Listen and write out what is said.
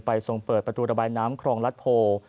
ทรงเปิดประตูระบายน้ำครองรัฐโพ